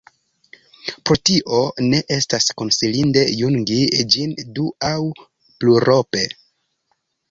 Pro tio ne estas konsilinde jungi ĝin du- aŭ plurope.